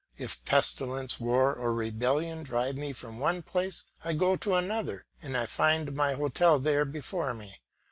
If pestilence, war, or rebellion drive me from one place, I go to another, and I find my hotel there before me.